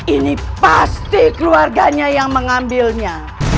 ini pasti keluarganya yang mengambilnya